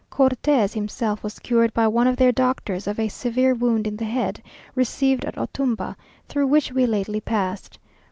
Cortes himself was cured by one of their doctors of a severe wound in the head, received at Otumba, through which we lately passed.